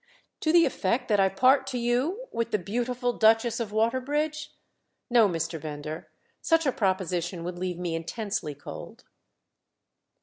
"To the effect that I part to you with 'The Beautiful Duchess of Waterbridge'? No, Mr. Bender, such a proposition would leave me intensely cold."